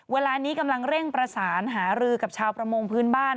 เวลานี้กำลังเร่งประสานหารือกับชาวประมงพื้นบ้าน